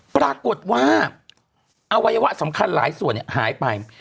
ปรากฏว่าอวัยวะสำคัญหลายส่วนหายไป